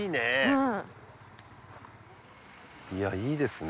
うんいやいいですね